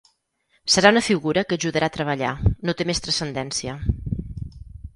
Serà una figura que ajudarà a treballar, no té més transcendència.